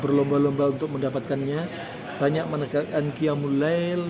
berlomba lomba untuk mendapatkannya banyak menegakkan qiyamul lail